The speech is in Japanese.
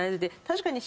確かに。